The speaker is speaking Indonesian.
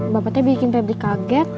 bapaknya bikin pebeli kaget